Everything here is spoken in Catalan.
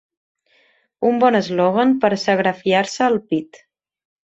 Un bon eslògan per serigrafiar-se al pit.